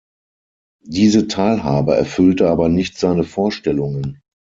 Diese Teilhabe erfüllte aber nicht seine Vorstellungen.